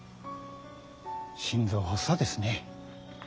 心臓発作ですね。